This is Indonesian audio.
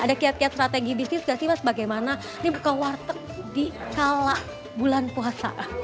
ada kiat kiat strategi bisnis gak sih mas bagaimana ini buka warteg di kala bulan puasa